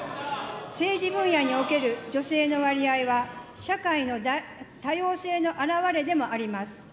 政治分野における女性の割合は、社会の多様性の表れでもあります。